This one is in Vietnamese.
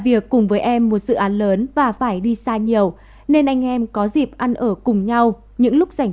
việc cùng với em một dự án lớn và phải đi xa nhiều nên anh em có dịp ăn ở cùng nhau những lúc rảnh